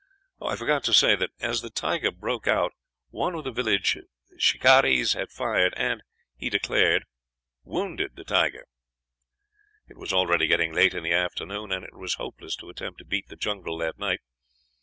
I forgot to say that as the tiger broke out one of the village shikarees had fired at and, he declared, wounded him. "It was already getting late in the afternoon, and it was hopeless to attempt to beat the jungle that night.